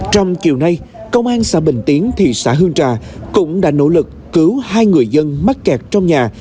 trong chiều nay công an xã bình tiến thị xã hương trà cũng đã nỗ lực cứu hai người dân mắc kẹt trong nhà